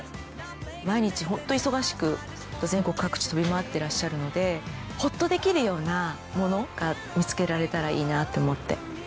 毎日ホント忙しく全国各地飛び回ってらっしゃるのでホッとできるような物が見つけられたらいいなって思って。